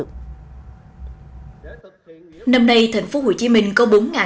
năm nay tp hcm đồng loạt tổ chức lễ giao nhận quân thực hiện nghĩa vụ quân sự năm hai nghìn hai mươi bốn